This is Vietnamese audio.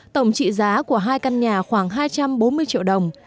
tổng trị giá của hai căn nhà khoảng hai trăm bốn mươi triệu đồng